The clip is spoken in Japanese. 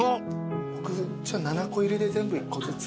僕７個入りで全部１個ずつ。